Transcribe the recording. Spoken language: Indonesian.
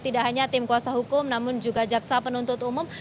tidak hanya tim kuasa hukum namun juga jaksa penuntut umum